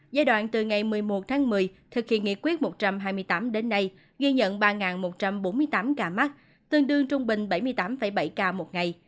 giai đoạn từ ngày một mươi một tháng một mươi thực hiện nghị quyết một trăm hai mươi tám đến nay ghi nhận ba một trăm bốn mươi tám ca mắc tương đương trung bình bảy mươi tám bảy ca một ngày